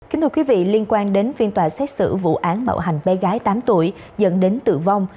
kính thưa quý vị liên quan đến phiên tòa xét xử vụ án bạo hành bé gái tám tuổi dẫn đến tử vong